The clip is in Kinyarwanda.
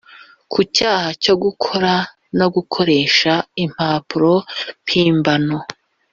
Ku cyaha cyo gukora no gukoresha impapuro mpimbano